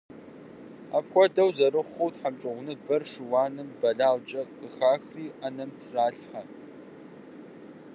Апхуэдэу зэрыхъуу тхьэмщӀыгъуныбэр шыуаным бэлагъкӀэ къыхахри Ӏэнэм тралъхьэ.